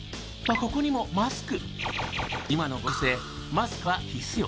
ここにもマスク。